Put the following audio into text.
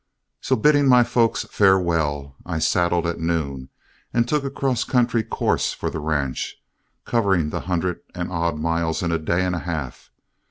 So bidding my folks farewell, I saddled at noon and took a cross country course for the ranch, covering the hundred and odd miles in a day and a half.